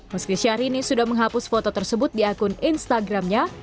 meski syahrini sudah menghapus foto tersebut di akun instagramnya